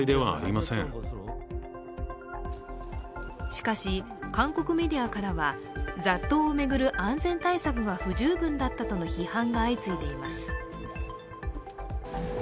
しかし、韓国メディアからは雑踏を巡る安全対策が不十分だったとの批判が相次いでいます。